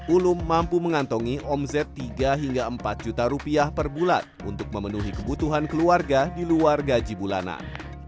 ulum mampu mengantongi omzet tiga hingga empat juta rupiah per bulan untuk memenuhi kebutuhan keluarga di luar gaji bulanan